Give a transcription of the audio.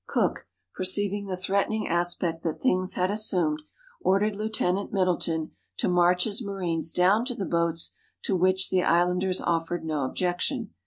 Cook, perceiving the threatening aspect that things had assumed, ordered Lieutenant Middleton to march his marines down to the boats, to which the islanders offered no objection.